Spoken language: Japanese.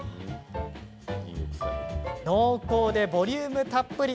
濃厚で、ボリュームたっぷり。